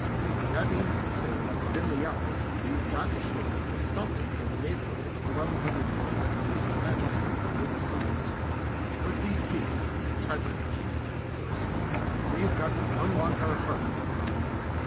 That means to say that within the hour we have got to show up something in the neighbourhood of 1100 words to these magistrates and overseers. With these keys typewriter keys, of course we have got to unlock our heart.